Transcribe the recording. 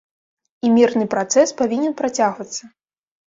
І мірны працэс павінен працягвацца.